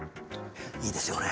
いいですよね